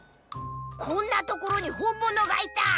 こんなところにほんものがいた！